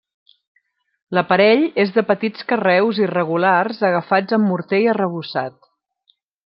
L'aparell és de petits carreus irregulars agafats amb morter i arrebossat.